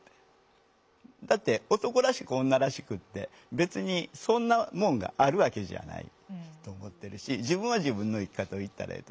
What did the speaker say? だって男らしく女らしくって別にそんなもんがあるわけじゃないと思ってるし自分は自分の生き方をいったらええと。